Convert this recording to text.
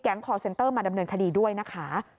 คอร์เซ็นเตอร์มาดำเนินคดีด้วยนะคะ